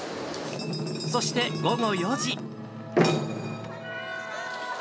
そして午後４時。